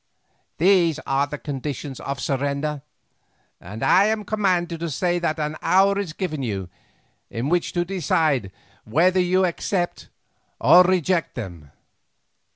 These are the conditions of surrender, and I am commanded to say that an hour is given you in which to decide whether you accept or reject them."